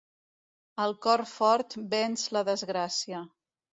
El cor fort venç la desgràcia.